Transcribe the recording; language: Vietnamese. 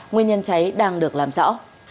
nguyên nhân cháy đang được làm rõ